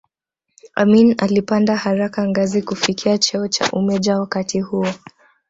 Amin alipanda haraka ngazi kufikia cheo cha umeja wakati huo